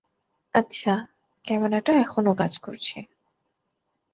আচ্ছা, ক্যামেরাটা এখনও কাজ করছে।